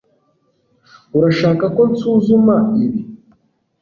urashaka ko nsuzuma ibi